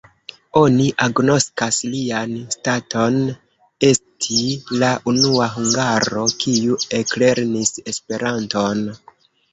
Oni agnoskas lian staton esti la unua hungaro, kiu eklernis Esperanton.